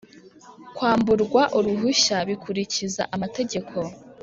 Kwamburwa uruhushya bikurikiza amategeko.